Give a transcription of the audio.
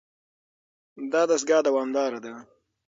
دا دستګاه دوامداره ده.